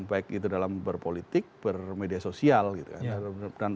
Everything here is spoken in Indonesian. baik itu dalam berpolitik bermedia sosial gitu kan